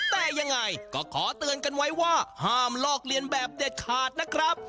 แต่ยังไงก็ขอเตือนกันไว้ว่าห้ามลอกเลียนแบบเด็ดขาดนะครับ